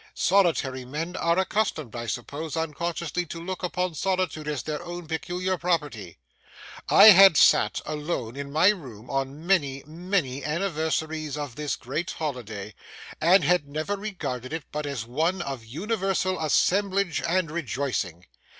Solitary men are accustomed, I suppose, unconsciously to look upon solitude as their own peculiar property. I had sat alone in my room on many, many anniversaries of this great holiday, and had never regarded it but as one of universal assemblage and rejoicing.